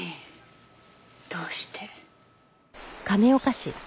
どうして？